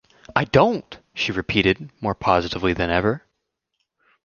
“I don’t!” she repeated more positively than ever.